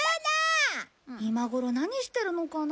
今頃何してるのかな？